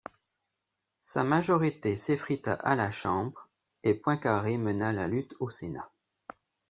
Sa majorité s'effrita à la Chambre et Poincaré mena la lutte au Sénat.